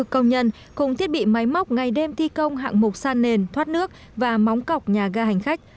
công nhân cùng thiết bị máy móc ngày đêm thi công hạng mục san nền thoát nước và móng cọc nhà ga hành khách